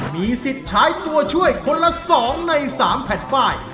มีสิทธิ์ใช้ตัวช่วยคนละ๒ใน๓แผ่นป้าย